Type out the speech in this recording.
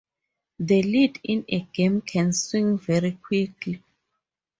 The lead in a game can swing very quickly.